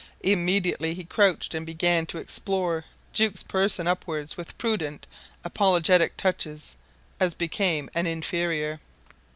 Immediately he crouched and began to explore Jukes' person upwards with prudent, apologetic touches, as became an inferior.